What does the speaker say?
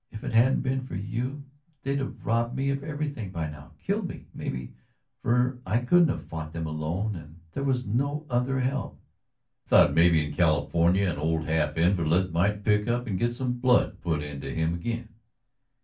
"If it hadn't been for you they'd have robbed me of everything by now killed me, maybe for I couldn't have fought them alone, and there was no other help." "I thought maybe in California an old half invalid might pick up and get some blood put into him again."